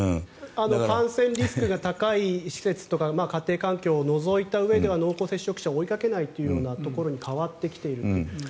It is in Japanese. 感染リスクが高い施設とか家庭環境を除いたうえでは濃厚接触者を追いかけないというところに変わってきている。